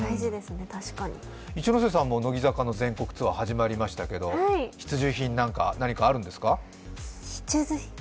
一ノ瀬さんも乃木坂の全国ツアー始まりましたけど必需品ありますか？